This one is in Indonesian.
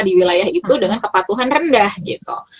di wilayah itu dengan kepatuhan rendah gitu